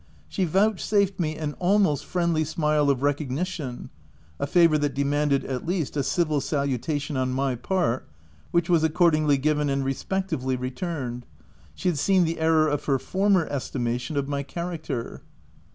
She vouchsafed me an almost friendly smile of re cognition — a favour that demanded, at least, a civil salutation on niy part, which was accord ingly given and respectively returned — she had seen the error of her former estimation of my character.